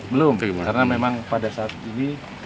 belum karena memang pada saat ini